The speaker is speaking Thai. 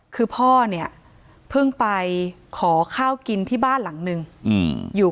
คือพ่อเนี่ยเพิ่งไปขอข้าวกินที่บ้านหลังนึงอยู่